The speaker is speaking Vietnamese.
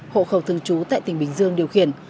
hộ khẩu thường trú tại tỉnh bình dương điều khiển